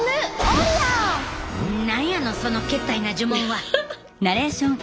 何やのそのけったいな呪文は。